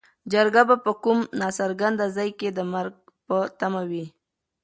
چرګه به په کوم ناڅرګند ځای کې د مرګ په تمه وي.